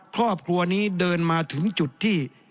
ครอบครัวนี้เดินมาถึงจุดที่